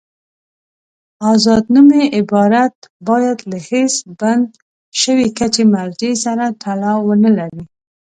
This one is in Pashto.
آزاد نومي عبارت باید له هېڅ بند شوي کچې مرجع سره تړاو ونلري.